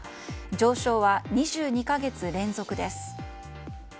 上昇は２２か月連続です。